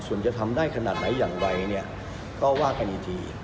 ส่วนจะทำได้ขนาดไหนอย่างไรเนี่ยก็ว่ากันอีกที